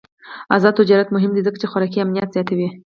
آزاد تجارت مهم دی ځکه چې خوراکي امنیت زیاتوي.